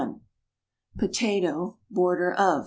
POTATO, BORDER OF.